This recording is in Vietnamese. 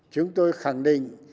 chúng tôi khẳng định